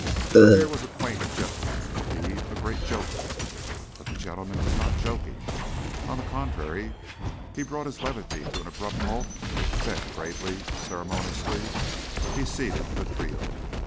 Here was a quaint gentleman, indeed, and a great joker. But the gentleman was not joking. On the contrary, he brought this levity to an abrupt end, then, gravely, ceremoniously, he seated the trio.